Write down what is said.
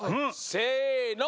せの！